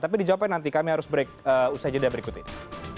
tapi dijawabkan nanti kami harus berusaha jadi berikut ini